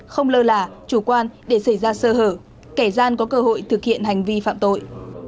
không lơ là chủ quan để xảy ra sơ hở kẻ gian có cơ hội thực hiện hành vi phạm tội